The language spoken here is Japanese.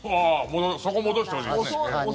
そこに戻してほしいですね。